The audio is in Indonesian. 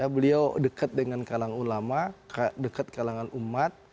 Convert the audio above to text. beliau dekat dengan kalangan ulama dekat kalangan umat